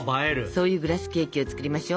そういうグラスケーキを作りましょ。